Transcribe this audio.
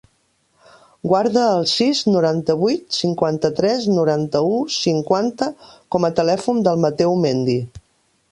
Guarda el sis, noranta-vuit, cinquanta-tres, noranta-u, cinquanta com a telèfon del Mateu Mendy.